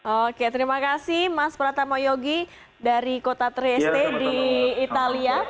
oke terima kasih mas pratama yogi dari kota trieste di italia